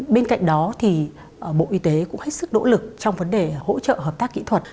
bên cạnh đó thì bộ y tế cũng hết sức nỗ lực trong vấn đề hỗ trợ hợp tác kỹ thuật